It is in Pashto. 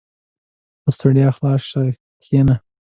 • له ستړیا خلاص شه، کښېنه.